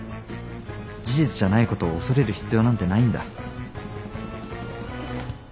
事実じゃないことを恐れる必要なんてないんだ。